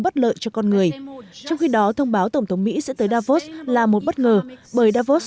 bất lợi cho con người trong khi đó thông báo tổng thống mỹ sẽ tới davos là một bất ngờ bởi davos